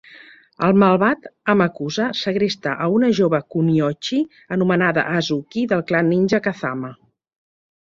El malvat Amakusa segresta a una jove "kunoichi" anomenada Hazuki del clan ninja "Kazama".